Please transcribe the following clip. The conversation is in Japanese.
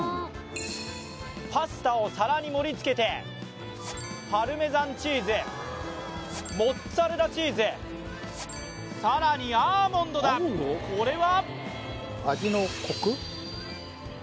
パスタを皿に盛りつけて、パルメザンチーズ、モッツァレラチーズ、更にアーモンドだ、これは？